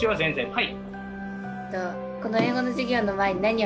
はい。